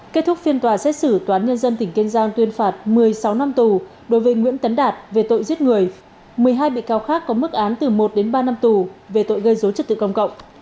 kết thúc phiên tòa xét xử toán nhân dân tỉnh kiên giang tuyên phạt một mươi sáu năm tù đối với nguyễn tấn đạt về tội giết người một mươi hai bị cáo khác có mức án từ một đến ba năm tù về tội gây dối trật tự công cộng